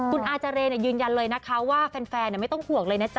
คุณอาเจรยืนยันเลยนะคะว่าแฟนไม่ต้องห่วงเลยนะจ๊